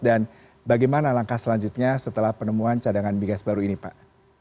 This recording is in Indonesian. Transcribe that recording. dan bagaimana langkah selanjutnya setelah penemuan cadangan migas baru ini pak